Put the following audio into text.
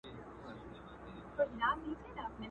شیخ لا هم وو په خدمت کي د لوی پیر وو!.